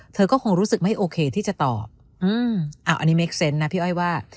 เธอก็คงรู้สึกไม่โอเคที่จะตอบอันนี้เมคเซนต์นะพี่อ้อยว่า